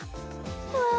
うわ！